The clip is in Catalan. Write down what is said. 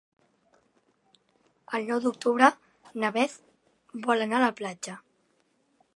El nou d'octubre na Beth vol anar a la platja.